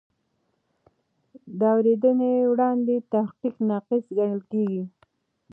د اورېدنې وړاندې تحقیق ناقص ګڼل کېږي.